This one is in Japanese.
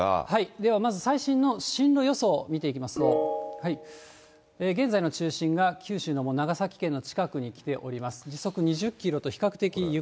ではまず最新の進路予想を見ていきますと、現在の中心が九州の長崎県の近くに来ております。